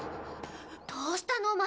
どうしたの？